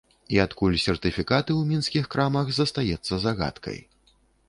І адкуль сертыфікаты ў мінскіх крамах, застаецца загадкай.